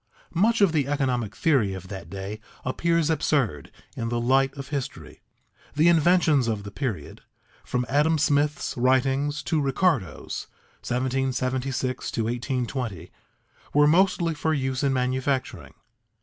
_ Much of the economic theory of that day appears absurd in the light of history. The inventions of the period, from Adam Smith's writings to Ricardo's (1776 to 1820), were mostly for use in manufacturing.